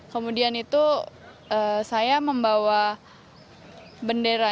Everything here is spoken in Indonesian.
kemudian itu saya membawa bendera